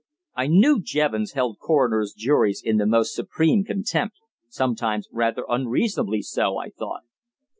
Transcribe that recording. I knew Jevons held coroners' juries in the most supreme contempt; sometimes rather unreasonably so, I thought.